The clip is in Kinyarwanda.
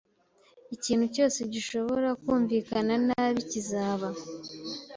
Ikintu cyose gishobora kumvikana nabi kizaba.